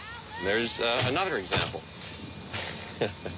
ハハハ。